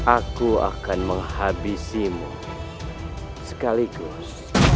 aku akan menghabisi mu sekaligus